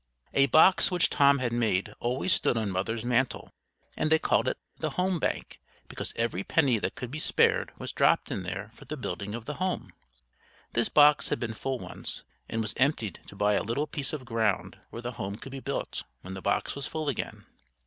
A box which Tom had made always stood on Mother's mantel, and they called it the "Home Bank," because every penny that could be spared was dropped in there for the building of the home. This box had been full once, and was emptied to buy a little piece of ground where the home could be built when the box was full again.